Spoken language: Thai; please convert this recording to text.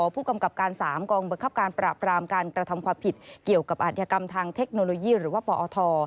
ผู้กำกับการ๓กองบังคับการปราบรามการกระทำความผิดเกี่ยวกับอาธิกรรมทางเทคโนโลยีหรือว่าปอท